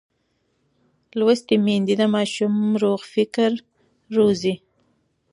لوستې میندې د ماشوم روغ فکر روزي.